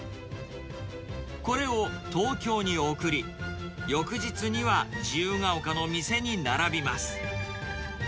これを東京に送り、翌日には自由が丘の店に並びます。